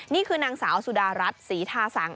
นี่คือนางสาวสุดารัฐศรีทาสัง